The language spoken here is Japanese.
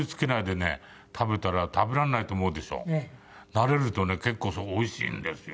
慣れるとね結構おいしいんですよ。